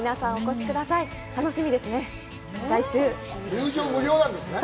入場無料なんですね。